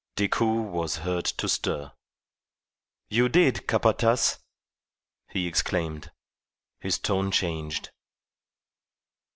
..." Decoud was heard to stir. "You did, Capataz!" he exclaimed. His tone changed.